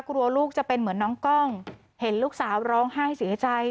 ลูกจะเป็นเหมือนน้องกล้องเห็นลูกสาวร้องไห้เสียใจ